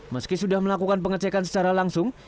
meski sudah melakukan pengecekan secara langsung